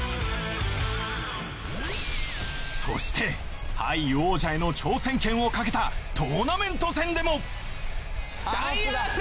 そしてＨＩＧＨ王者への挑戦権をかけたトーナメント戦でもダイアース！